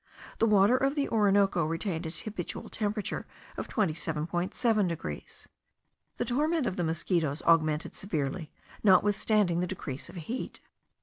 The water of the Orinoco retained its habitual temperature of 27.7 degrees. The torment of the mosquitos augmented severely, notwithstanding the decrease of heat.